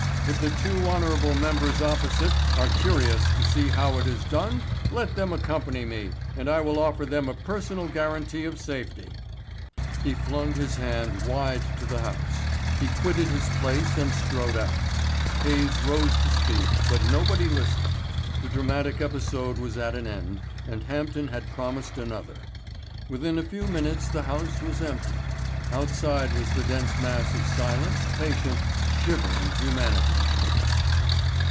If the two honourable members opposite are curious to see how it is done let them accompany me, and I will offer them a personal guarantee of safety." He flung his hand wide to the House; he quitted his place and strode out. Hayes rose to speak, but nobody listened. The dramatic episode was at an end, and Hampden had promised another. Within a few minutes the House was empty. Outside was the dense mass of silent, patient, shivering humanity.